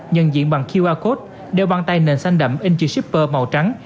nhân diện bằng qr code đeo bàn tay nền xanh đậm in chữ shipper màu trắng